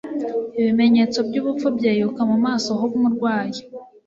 Ibimenyetso by'urupfu byeyuka mu maso h'umurwayi.